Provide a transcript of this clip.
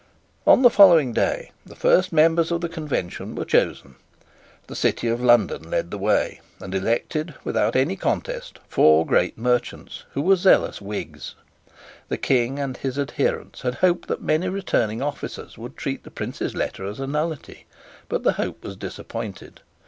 On the following day the first members of the Convention were chosen. The City of London led the way, and elected, without any contest, four great merchants who were zealous Whigs. The King and his adherents had hoped that many returning officers would treat the Prince's letter as a nullity; but the hope was disappointed.